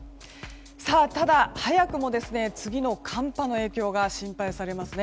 ただ、早くも次の寒波の影響が心配されますね。